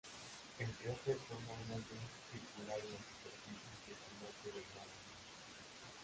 El cráter forma un hoyo circular en la superficie circundante del mar lunar.